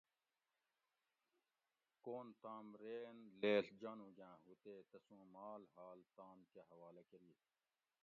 کون تام رین لیڷ جانوگاۤں ہُو تے تسوں مال حال تام کہ حوالہ کۤری